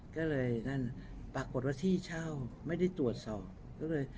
ก็เลยปรากฏว่าที่เช่าไม่ได้ตรวจสอบ